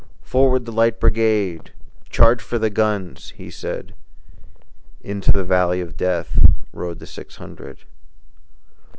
"Forward, the Light Brigade! Charge for the guns!" he said: Into the valley of Death Rode the six hundred.